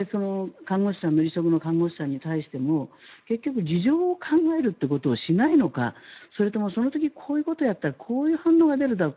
離職の看護師さんに対しても結局、事情を考えるということをしないのか、それともこの時こういうことをやったらこういう反応が出るだろう